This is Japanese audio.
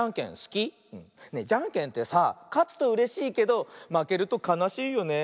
じゃんけんってさかつとうれしいけどまけるとかなしいよね。